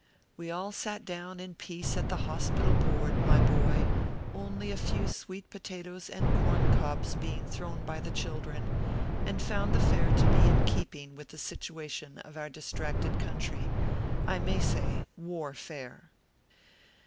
371 We all sat down in peace at the hospital board, my boy, only a few sweet potatoes and corn cobs being thrown by the children, and found the fare to be in keeping with the situation of our distracted country I may say, war fare.